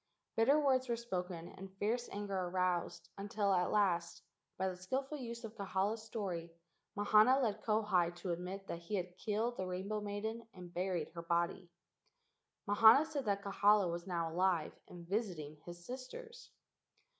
Bitter words were spoken and fierce anger aroused until at last, by the skilful use of Kahala's story, Mahana led Kauhi to admit that he had killed the rainbow maiden and buried her body. Mahana said that Kahala was now alive and visiting his sisters.